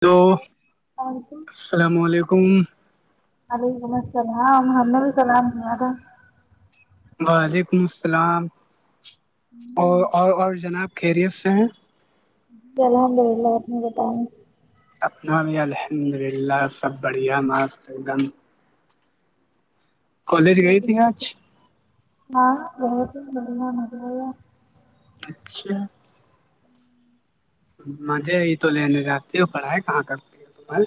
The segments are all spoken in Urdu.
تو اور کو السلام علیکم علیکم السلام ہم نے بھی سلام کیا تھا وعلیکم السلام اور اور اور جناب خیریت سے ہیں جی الحمد للہ آ بتاؤوں اپنا بھی الحمد للہ سب بڑھیا ماست ایک دم کالج گئی تھی آج ہاں ب ما اچھا مزے ہی تو لینے جاتی ہو پڑھائی کہاں کرتی ہے تمہیں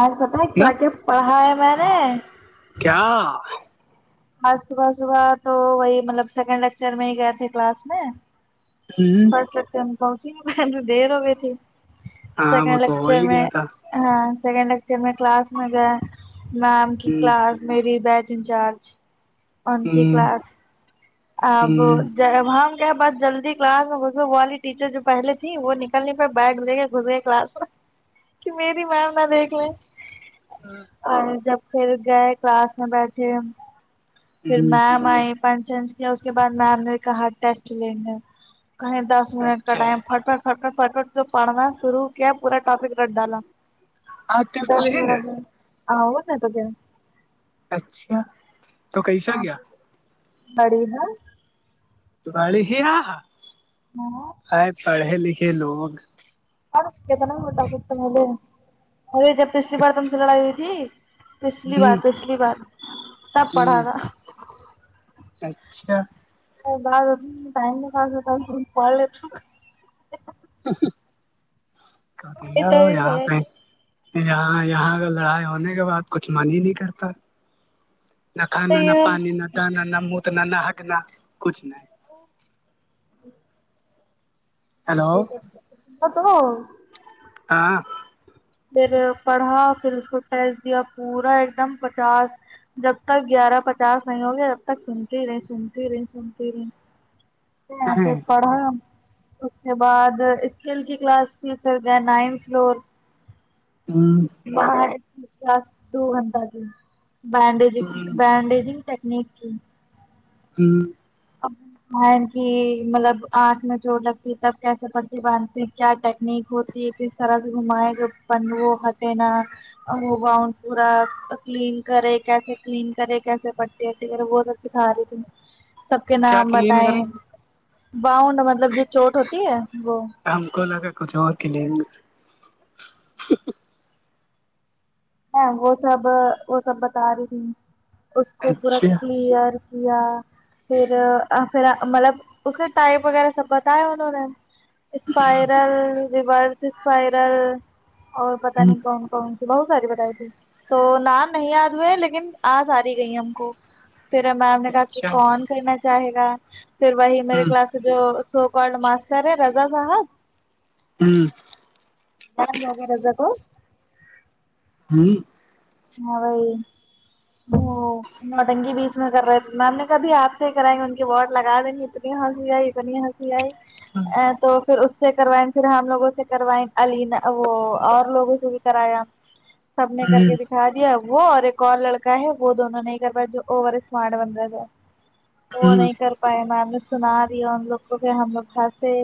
آج پت ہے نا کیا کیا پڑھا ہے میں نے کیا آج صبح صبح تو وہی مطلب سیکنڈ لیکچر میں ہی گئے تھے کلاس میں ہوں فر میں پہنچی دیر ہو گئی تھی ہاں وہ تو ہو سیکنڈچر ہی میں گیا تھا ہاں سیکنڈ ار میں کلاس میں گیا میم کی ہ کلاس میری بیچ انچارج ان ہ کی کلاس ہ اب جب ہم کہ بس جلدی کلاس میں گس والی ٹیچر جو پہے تھی وہ نکلنی پ بیٹگ لے کے گھسر گئے کلاس میں [unintelligible] کہ میری میم نہ دیکھ لیں ہاں اور جب پھر گئے کلاس میں بیٹھے پھر ہ میم آئی پنچچ کے اس کے بعد میم نے کہا ٹیسٹ ل گ کہیں دس س منٹ کا اچھا ٹائم فٹ فٹ فٹفٹ فٹفٹ جو پڑھنا شروع کیا پورا ٹاپک رٹ ڈالا آپ ٹفٹ دس لے میر نا د آ وہ ن تو دھر اچھا تو کیسا گیا بڑی ہ پ ل ہ اور آ پڑھے لکھے لوگ ہو م اے جب پچھلی پڑتا سلئی ہوئی تھی پچھلی ہوں بار پچھلی بار تب پڑھا ہوں تھا اچھا بات ائم پاستا پڑ لے تو کیا ہو یا پ یہاں یہاں کا لڑائی ہونے کے بعد کچھ من ہی نہیں کرتا نہ تو کھانا نہ یہ پانی نہ دانا نہ متنا نہ ہٹنا کچھ نہ [unintelligible] ہیلو تو ہاں پھر پڑھا پھر اس کو ٹیسٹ دیا پورا ایک دم پچاس جب تک گیارہ پچاس نہیں ہوگیا تب تک سنتی رہی سنتی رہی سنتی رہی [unintelligible] ایسے پڑھا اس کے بعد اسکیل کی کلاس ف کر گئے نائنتھ فلور ہاں دو گھنٹہ کی بڈج بینڈیجنگ ٹیکنک جی ہوں [unintelligible] ہین کی مطلب آنکھ میں چوٹ لگتی ہے تب کیسے پڑھتی باندھتی کیا ٹیکنیک ہوتی ہے کس طرح سے گھمائےیں گ پن وہتے نا گان پورا کلین کرے کیسے کلین کرے کیسے پ ٹیےیرہ بہت اچ کھ رہے ت سب کے کیا نام کلین کریں بتائیں باؤنڈ مطلب جو چوٹ ہوتی ہے وہ ہم کو لگ کچھ اور کے لیے ہاں وہ سب وہ سب بتا رہی تھی اس کو پورا اچھا کلیئر یا پھر پھر مطلب اس کے ٹائپ وغیرہ سب بتایا انہوں نے اسپائرل ریبرس اسپائرل اور پتا نہیں کون کون س بہت ساری ب تو نام نہیں یاد ہوئے لیکن آج آ رہی گئی ہم کو پھر میم نے کہا کہ اچھا کون کرنا چاہے گا پھر وہی میرے کلاس کے جو سو کارڈ ماسٹر ہے رضا صاحب ہوں د وغیرہ ج کو ہوں ہ وہائی وہ نٹنگی بیچ میں کر رہے تھے میم نے کہبھی آپ سے ہی کرائیں گے ان کی ب واڈ لگا دیں گے اتنی ہنسی آئی اتنی ہنسی آئی ا تو پھر اس سے کروائیں پھر ہم لوگوں سے کروائیں عینا وہ اور لوگوں سے بھی کرایا سب نے کر کے دکھا دیا وہ اور ایک اور لڑک ہے وہ دونوں نہیں کر پا جو اوور اسمارٹ بن رہا وہ نہیں کر میم نے سنا دیا ان لوگ کو کہ ہم لوگسے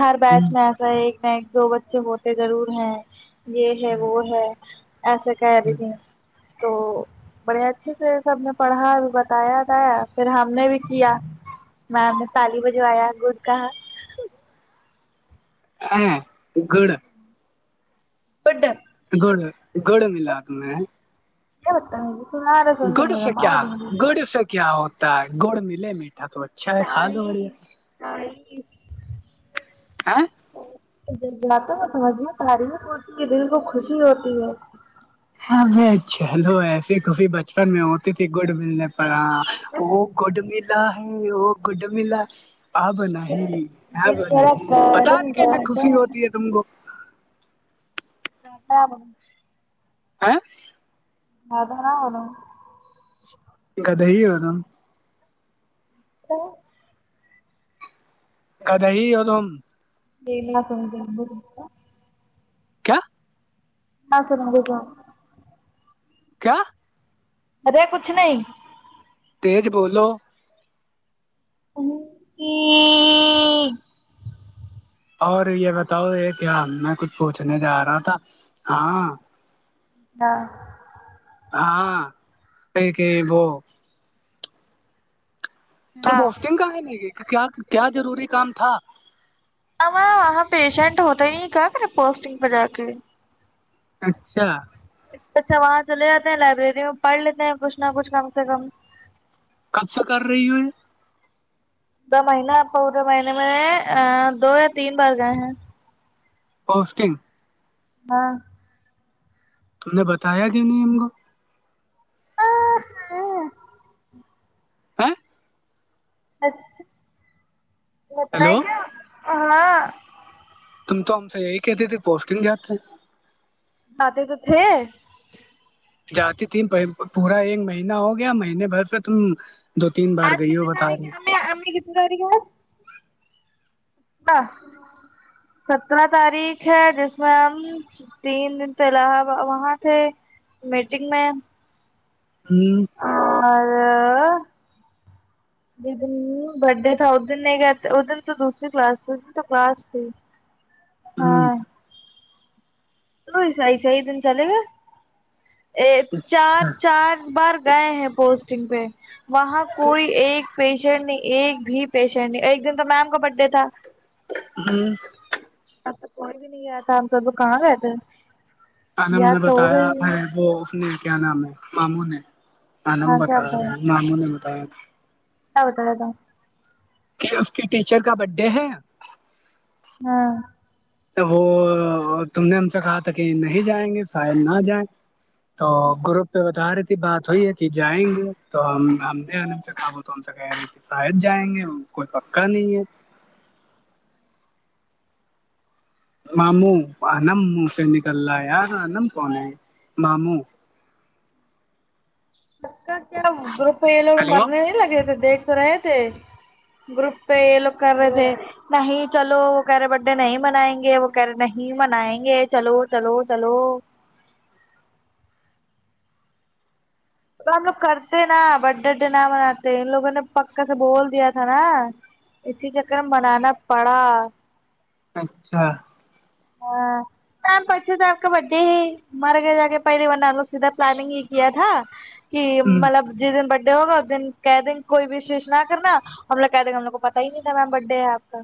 ہر بیچ میں ایک نہ ایک دو بچے ہوتے ضرور ہیں یہ ہے وہ ہے ایسا کہہ رہی ت تو بڑے اچھے سے سب نے پڑھا بتایا تھا پھر ہم نے بھی کیا میم نے پالی بجہ آیا گود کہاں ا گڑ بڈ گڑ گڑ ملا ت میں کیا بتا ہ وہ گڑ سے کیا گڑ سے کیا ہوتا ہے گڑ ملے میٹھا تو اچھا ہے کھا تال لو اورے تال [unintelligible] د ج تو سمجھے تعریف ہوتی ہے دل کو خوشی ہوتی ہے ہاں ب چلو ایسے کفی بچپن میں ہوتی تھی گڈ ول ہاں وہ گڈ ملا ہے وہ گڈ ملا آ بنا دل نہیں ہے دل وہ میرا نہیں پتا گارڈن نہیں کیسے خوشی گارڈن ہوتی ہے تم کو [unintelligible] [unintelligible] مدان ہو کا دہی ہو نم تو کد ہی ہو تم [unintelligible] کیا ن س رہےوں گپا کیا ارے کچھ نہیں تیج بولو [unintelligible] اور یہ بتاؤ یہ کیا میں کچھ پوچھنے جا رہا تھا ہاں [unintelligible] ہاں کہ وہ تو بوسٹنگ کا ہے نہیں کیا کیا ضروری کام تھا ا وہاں پیشنٹ ہوتا نہیں کہ کر پوسٹنگ پہ جا کے اچھا اچھا وہاں چلے جاتے ہیں لائبریری میں پڑھ لیتے ہیں کچھ نہ کچھ کم سے کم قب سےا کر رہی ہو دو مہینہ آپ پورے مہینے میں دو یا تین بار گئے ہیں پوسٹینگ ہاں تم نے بتایا کیوں نیم کو [unintelligible] اچھا ہیلو بتائیں کیا ہاں تم تو ہم سے یہی کہتے تے پوسٹنگ کیااتتے جات تو تھے جاتی تین پورا ایک مہینہ ہو گیا مہینے بھر سے تم دو تین بار آج گئی ہو کتنی بتا تاریخ رہی ہے ہو امی [unintelligible] سترہ تاریخ ہے جس میں ہم تین دن پہلا وہاں تھے میٹنگ میں ہوں اور [unintelligible] ج دن برڈے تھا ا دن نہیں گ ا دن تو دوسری کلاس تھی اس دن تو کلاس تھی [inaudible] ہاں توسح صح ہیح دن چلے گا ا چار اچھا چار بار گئے ہیں پوسٹنگ پہ وہاں کوئی ایک پیشنٹ نہیں ایک بھی پیشنٹ نہیں ایک دن تو میم کا برتھ ڈے تھا ہوں اب تو کوئی بھی نہیں آیا تھا ہم س تو کہاں گئے تھے انم نے یاد تو ہو بتایا گئی ارے وہ اس نے کیا نام ہے ماموں نے انم ہاں کیا بتایا اے ن نہیں نہیں بتائیں ہود تو کہ اس کی ٹیچر کا برتھ ڈے ہے ہاں وہ تم نے ہم سے کہا تھا کہ نہیں جائیں گے فائل نہ جائیں تو گروپ پہ بتا رہی تھی بات ہوئی ہے کہ جائیں گے تو ہم ہم د سے کہ شاید جائیں گے کوئی پکا نہیں ہے ماموں انم من سے نکل رہا ہے یار انم کون ماموں س کا کیا گروپ ہے یہ لوگ ہیلو مرنے نہیں لگے تھے دیکھ رہے تھے گروپ ای لوک رہ ہے نہیں چلو وہ کہہ رہے بر ڈے نہیں منائیں گے وہ کہے نہیں منائیں گے چلو چلو چلو ہم لوگ کرتے ہیں نا برڈ ڈ ڈے نہ مناتے ان لوگوں نے پکا سے بول دیا تھا نا اسی چکر میں منانا پڑا اچھا [inaudible] مم پچھے سے آپ کا بھ ڈے ہی مر گئے جا کے پہلی بار نوگ سیدھا پلاننگ ہی کیا تھا کہ ہ مطلب جس دن بڈے ہوگا اس دن کہ دن کوئی وشوش نہ کرنا ہم لوگ کہ تھے کہ ہم لوگ کو پتا ہی نہیں تھا میم برھ ڈے ہے آپ کا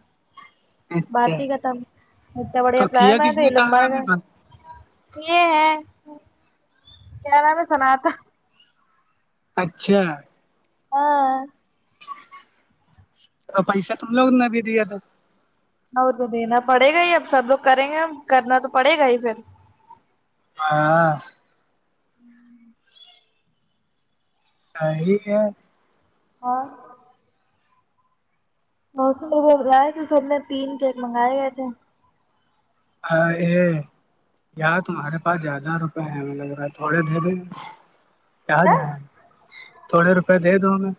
بعات اچھا بھی کا تھا بڑیا تو پلان کیا میں کس د نے لوگ مر طاہرہ میں گا بند یہ ہے کیا نام ہے سنا تھا اچھا ہاں تو پیسہ تم لوگ نے بھی دیا تھا اور تو دینا پڑے گا ہی اب سب لوگ کریں گے کرنا تو پڑے گا ہی پھر ہاں ہ یہ ہاں موسم ب ہو رہا ہے تو سب نے تین کیک منگائے گئے تھے ہاں یہ اں تمہارے پاس زیادہ روپئے ہیں ہمیں لگ رہا ہے تھوڑے دے دیں گے کہاں جائ تھوڑے روپئے دے دو میں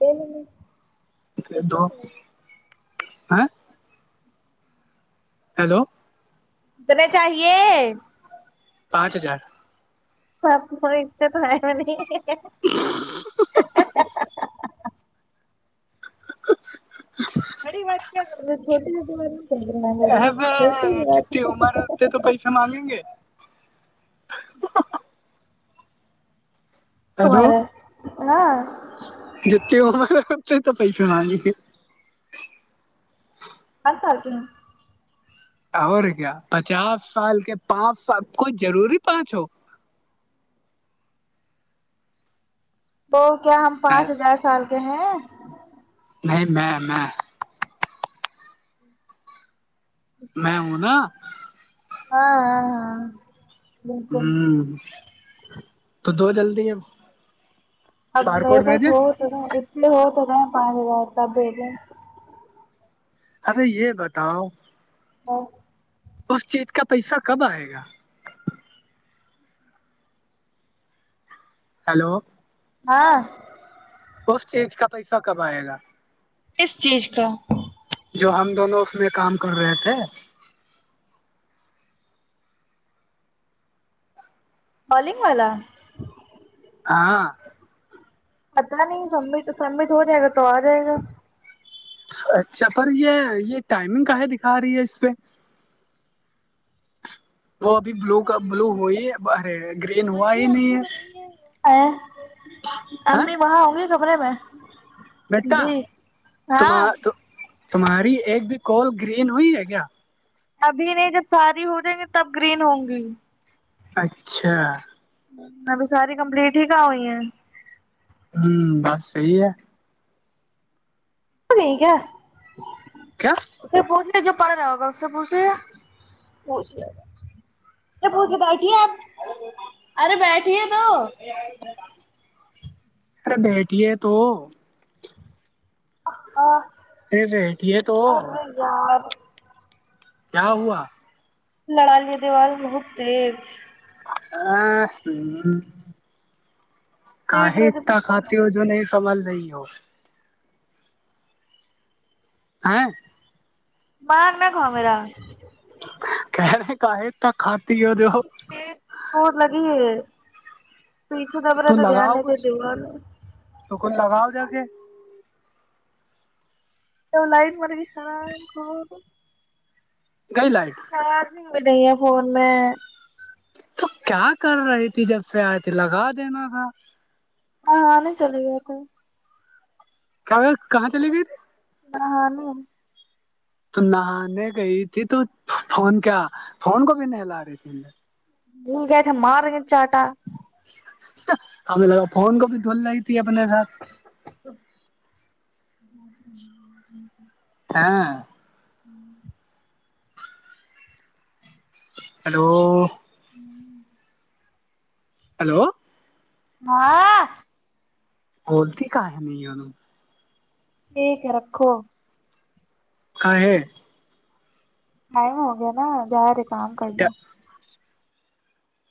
یہ مے پ دو ہیں ہیلو اتنے چاہیے پانچ ہزار ہپ م ا تو تو ہے م [inaudible] [inaudible] بڑی بات کیا کر د چھوٹی سے تو بات نہیں کر د ن بڑے چھوٹی ہی بات اچھے مانگیں گے توار ہیلو ہاں جتتے وہ ہمارا پتے ہیں پیسے میں گے [unintelligible] اور کیا پچاس سال کے پانچ سال کوئی ضروری پانچ ہو تو کیا ہم پانچ ہزار سال کے ہیں نہیں میں میں میں ہوں نا ہاں ہاں ہاں بالکل ہوں تو دو جلدی ہےب اب میرے پاس ہو تو رہ ات لیے ہو تو رہے ہیں پانچ ہزار تب بھی دیں اب یہ بتاؤ [unintelligible] اس چیز کا پیسہ کب آئے گا ہیلو ہاں اس چیز کا پیسہ کب آئے گا کس چیز کا جو ہم دونوں اس میں کام کر رہے تھے بالنگ والا ہاں پتہ نہیں سبت سبت ہو جائے گا تو آ جائے گا اچھا پر یہ یہ ٹائمنگ کا ہے دکھا رہی ہے اس پہ وہ ابھی بلو کا بلو ہوئیرے گرین ہوا ہی نہیں ہے ہ امی وہاں ہوں گی کبرے میں بیٹا جی ہاں تمہاری ایک بھی کوال گرین ہوئی ہے کیا ابھی نہیں جب ساری ہو جائیں گی تب گرین ہوں گی اچھا ابھی ساری کمپلیٹ ہی کہاں ہوئی ہیں ہوں بس صحی ہے یک ہے کیا اس سے پوچھ ل جو پڑ رہا ہوگا اس سے پوچھ ل گ پوچھ گ پے بیٹھیے آپ ارے بیٹھی ہے تو ارے بیٹھیے تو [unintelligible] ا بیٹے تو ارے یار کیا ہوا لڑالیا دیوال بہت ہے ا کئی تقات دماغ ہو جو نہیں کمل نہیں ہو ہاں م میں کا میرا کہ کا ہے ت کاتاتی ہے جو چٹ لگی ہے پیچھے دب رہا تو دھیان لگاؤ نہیں د کچھ دا تو کچھ لگاؤ جا گ ولیکم عر اللام کو گئی لائف سواز نہیں ہو رہی ہے فون میں تو کیا کر رہی تھی جب سے آئی تھی لگا دینا تھا ہاں ہ نہیں چلےا تو کیا ایر کہاں چلیے گئی تے نہاں نہیں تو نہانے گئی تھی تو فون کیا فون کو بھی نہلا رہی تھی ج کیا تھاا مارے چاٹا ہمیں ل فون کو بھی دھول رہی تھی اپنے ساتھ تو ہاں ہوں ہیلو ہوں ہیلو ہاں بولتی کا نہیںون ٹھیک ہے رکھو ہے ہے ٹائم ہو گیا نا جا رہے کام کرنا